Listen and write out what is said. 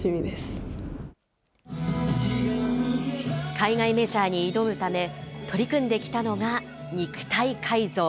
海外メジャーに挑むため、取り組んできたのが肉体改造。